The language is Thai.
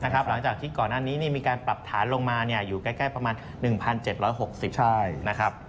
หลังจากที่ก่อนหน้านี้มีการปรับฐานลงมาอยู่ใกล้ประมาณ๑๗๖๐นะครับ